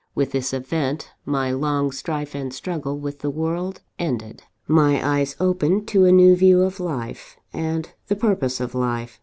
"With this event, my long strife and struggle with the world ended. "My eyes opened to a new view of life, and the purpose of life.